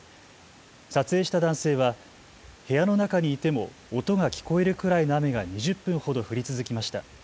撮影した男性は部屋の中にいても音が聞こえるくらいの雨が２０分ほど降り続きました。